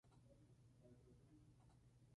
Fue escrita por Stanford Sherman.